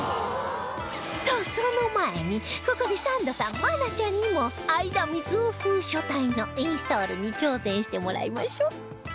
とその前にここでサンドさん愛菜ちゃんにも相田みつを風書体のインストールに挑戦してもらいましょう